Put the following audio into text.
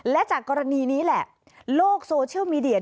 และจากกรณีนี้แหละโลกโซเชียลมีเดีย